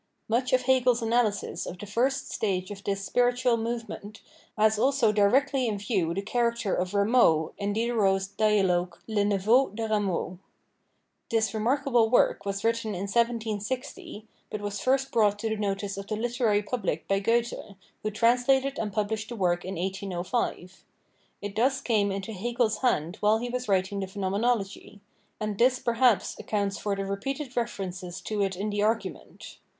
Much of Hegel's analysis of the first stage of this spiritual move ment has also directly in view the character of Rameau in Diderot's dialogue Le neveu de Rameau, This remarkable work was written in 1760, but was first brought to the notice of the literary public by Goethe, who translated and published the work in 1805. It thus came into Hegel's hands while he was writing the Phenomenology ; and this perhaps accounts for the repeated references to it in the argument.